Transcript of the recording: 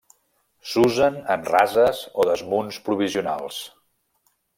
S'usen en rases o desmunts provisionals.